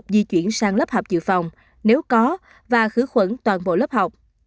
di chuyển sang lớp học dự phòng nếu có và khử khuẩn toàn bộ lớp học